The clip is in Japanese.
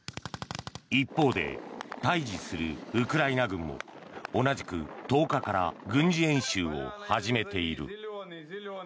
一方で、対峙するウクライナ軍も同じく１０日から軍事演習を始めている。